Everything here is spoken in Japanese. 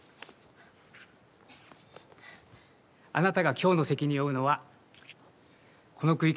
あなたが今日の責任を負うのはこの区域です。